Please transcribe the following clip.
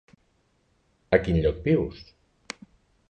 A quin lloc vius?